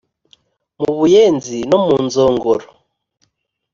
mu buyenzi no mu nzogoro